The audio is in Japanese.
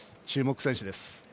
注目選手です。